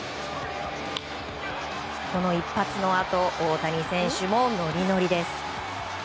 この一発のあと大谷選手もノリノリです。